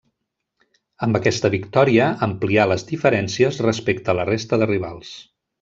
Amb aquesta victòria amplià les diferències respecte a la resta de rivals.